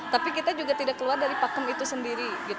tapi kita juga tidak keluar dari pakem itu sendiri